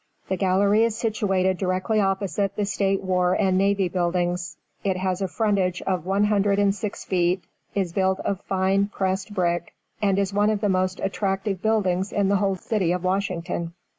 The gallery is situated directly opposite the State, War, and Navy buildings. It has a frontage of one hundred and six feet; is built of fine, pressed brick; and is one of the most attractive buildings in the whole City of Washington.